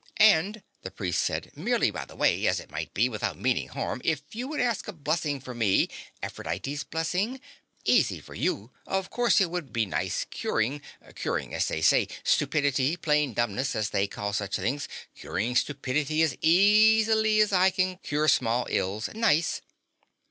"And," the priest said, "merely by the way, as it might be, without meaning harm, if you would ask a blessing for me Aphrodite's blessing? Easy for you. Of course, it would be nice curing curing, as they say stupidity, plain dumbness, as they call such things curing stupidity as easily as I can cure small ills. Nice."